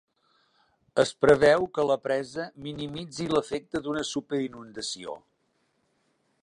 Es preveu que la presa minimitzi l'efecte d'una superinundació.